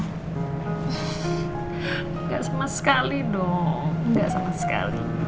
gak sama sekali dong gak sama sekali